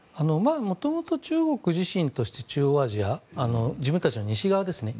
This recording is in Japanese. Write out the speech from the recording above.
元々、中国自身として中央アジア自分たちの西側ですね